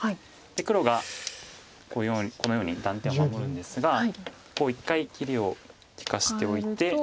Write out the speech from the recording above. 黒がこのように断点を守るんですがこう一回切りを利かしておいて。